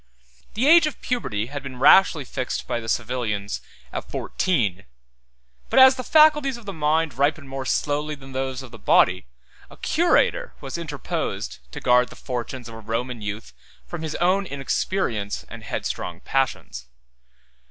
The age of puberty had been rashly fixed by the civilians at fourteen; 1361 but as the faculties of the mind ripen more slowly than those of the body, a curator was interposed to guard the fortunes of a Roman youth from his own inexperience and headstrong passions.